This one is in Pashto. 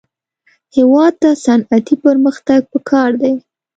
هېواد ته صنعتي پرمختګ پکار دی